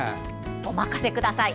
お任せください。